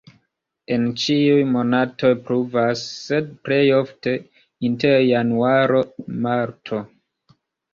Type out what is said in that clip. En ĉiuj monatoj pluvas, sed plej ofte inter januaro-marto.